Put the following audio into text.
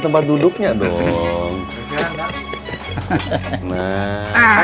tempat duduknya dong nah